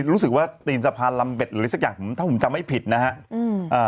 รู้สึกว่าตีนสะพานลำเบ็ดหรืออะไรสักอย่างถ้าผมจำไม่ผิดนะฮะอืมอ่า